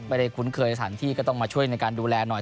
คุ้นเคยสถานที่ก็ต้องมาช่วยในการดูแลหน่อย